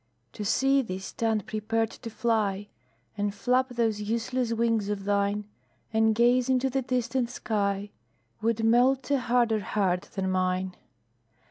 To see thee stand prepared to fly, And flap those useless wings of thine, And gaze into the distant sky, Would melt a harder heart than mine.